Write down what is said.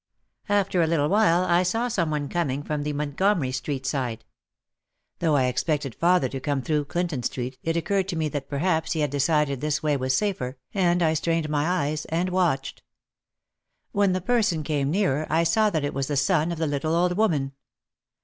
After a little while I saw some one coming from the Montgomery Street side. Though I expected father to come through Clinton Street it occurred to me that perhaps he had decided this other way was safer, and I strained my eyes and watched. When the person came nearer I saw that it was the son of the little old woman.